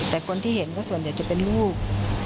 แต่คนที่เห็นก็ส่วนใหญ่จะเป็นลูก